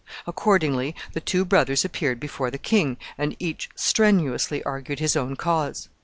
Accordingly, the two brothers appeared before the king, and each strenuously argued his own cause.